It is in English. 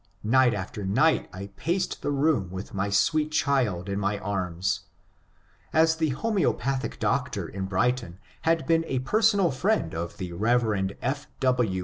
Night after night I paced the room with my sweet child in my arms. As the homoeopathic doctor in Brighton had been a personal friend of the Rev. F. W.